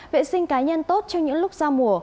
vệ sinh cá nhân tốt trong những lúc giao mùa